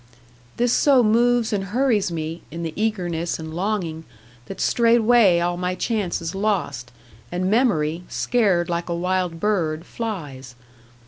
This so moves and hurries me, in the eagerness and longing, that straightway all my chance is lost; and memory, scared like a wild bird, flies.